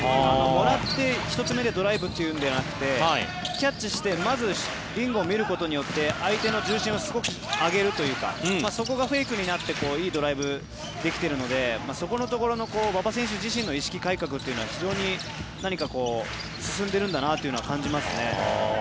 もらって１つ目でドライブというのではなくてキャッチしてまずリングを見ることによって相手の重心を上げるというかそこがフェイクになっていいドライブできているのでそこのところの馬場選手自身の意識改革というのは非常に何か進んでいるんだなというのは感じますね。